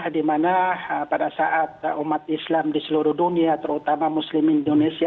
di mana pada saat umat islam di seluruh dunia terutama muslim indonesia